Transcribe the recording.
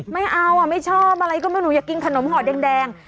ไม่เอาอ่ะไม่ชอบอะไรก็ไม่รู้หนูอยากกินขนมห่อแดง